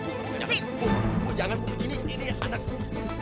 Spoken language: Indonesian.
bu jangan bu ini anak bu